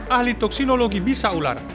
ahli toksinologi bisa ular